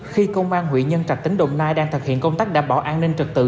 khi công an huyện nhân trạch tỉnh đồng nai đang thực hiện công tác đảm bảo an ninh trật tự